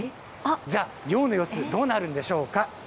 じゃあ、漁の様子、どうなるんでしょうか。